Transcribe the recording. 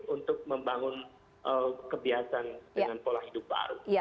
untuk membangun kebiasaan dengan pola hidup baru